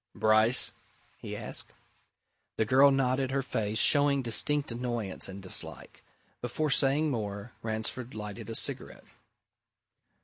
"Bryce?" he asked. The girl nodded her face showing distinct annoyance and dislike. Before saying more, Ransford lighted a cigarette.